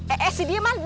eh eh si diman